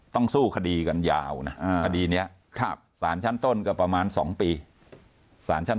สู้คดีกันยาวนะคดีนี้สารชั้นต้นก็ประมาณ๒ปีสารชั้น